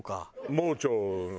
盲腸の。